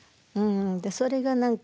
それが何か。